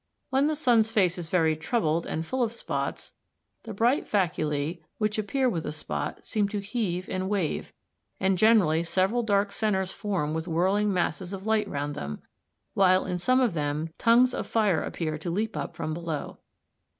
When the sun's face is very troubled and full of spots, the bright faculæ, which appear with a spot, seem to heave and wave, and generally several dark centres form with whirling masses of light round them, while in some of them tongues of fire appear to leap up from below (Fig.